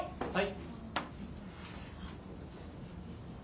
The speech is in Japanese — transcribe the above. はい！